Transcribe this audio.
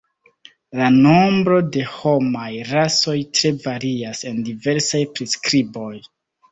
La nombro de homaj rasoj tre varias en diversaj priskriboj.